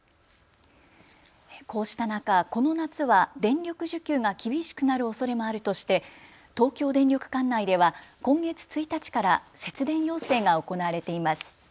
こうした中、この夏は電力需給が厳しくなるおそれもあるとして東京電力管内では今月１日から節電要請が行われています。